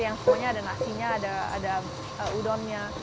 yang semuanya ada nasinya ada udonnya